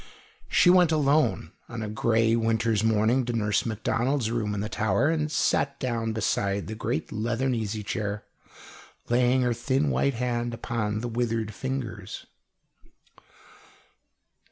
She went alone, on a grey winter's morning, to Nurse Macdonald's room in the tower, and sat down beside the great leathern easy chair, laying her thin white hand upon the withered fingers.